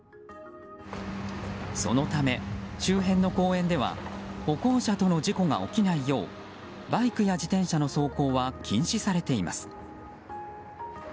そのため、周辺の公園では歩行者との事故が起きないようバイクや自転車の走行は禁止されています。